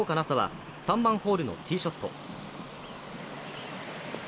紗は３番ホールのティーショット。